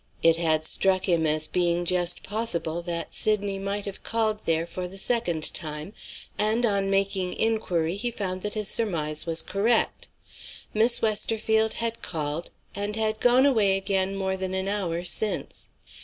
It had struck him as being just possible that Sydney might have called there for the second time; and, on making inquiry, he found that his surmise was correct. Miss Westerfield had called, and had gone away again more than an hour since.